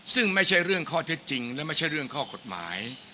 ซึ่งไม่ใช่เรื่องข้อเท็จจริงและไม่ใช่เรื่องข้อกฎหมาย